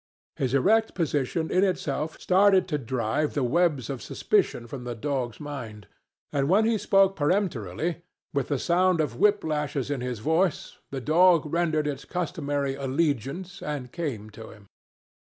His erect position in itself started to drive the webs of suspicion from the dog's mind; and when he spoke peremptorily, with the sound of whip lashes in his voice, the dog rendered its customary allegiance and came to him.